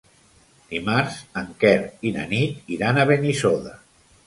Dimarts en Quer i na Nit iran a Benissoda.